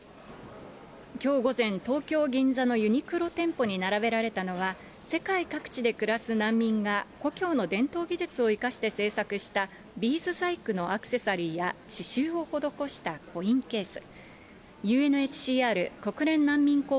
きょう午前、東京・銀座のユニクロ店舗に並べられたのは、世界各地で暮らす難民が、故郷の伝統技術を生かして制作したビーズ細工のアクセサリーや、刺しゅうを施したコインケース。